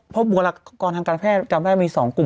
เพราะบุรักษณ์กรทางการแพทย์กำแพทย์มี๒กลุ่ม